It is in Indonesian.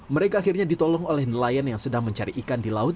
mereka akhirnya ditolong oleh nelayan yang sedang mencari ikan di laut